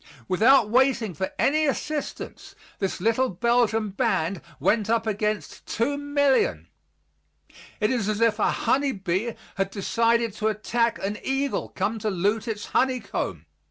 Without waiting for any assistance, this little Belgium band went up against 2,000,000. It is as if a honey bee had decided to attack an eagle come to loot its honeycomb.